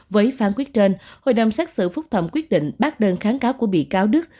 với phán quyết trên hội đồng xét xử phúc thẩm quyết định bác đơn kháng cáo của bị cáo đức